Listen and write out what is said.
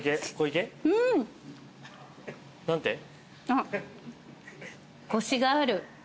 あっコシがある。